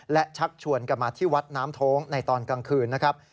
และชักชวนกันมาที่วัดน้ำโท้งในตอนกลางคืนนะครับ